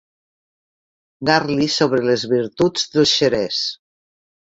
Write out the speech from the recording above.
Garli sobre les virtuts del xerès.